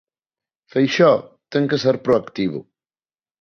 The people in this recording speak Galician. Feixóo ten que ser proactivo.